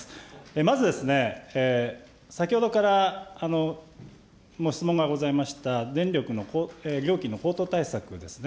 まず、先ほどからも質問がございました、電力の料金の高騰対策ですね。